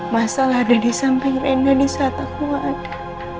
mas sal ada di samping reina di saat aku gak ada